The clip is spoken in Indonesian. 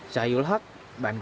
syahyul haq bandung